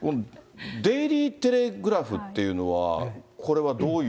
デイリー・テレグラフっていうのは、これはどういう？